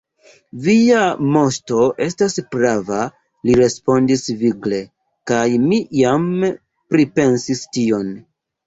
Via moŝto estas prava, li respondis vigle, kaj mi jam pripensis tion.